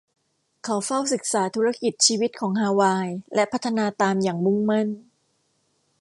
เขาเฝ้าศึกษาธุรกิจชีวิตของฮาวายและพัฒนาตามอย่างมุ่งมั่น